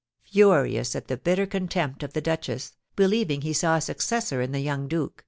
Furious at the bitter contempt of the duchess, believing he saw a successor in the young duke, M.